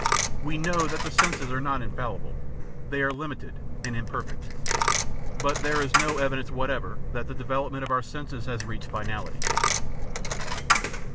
We know that the senses are not infallible; they are limited and im perfect; but there is no evidence whatever that the development of our senses has reached finality.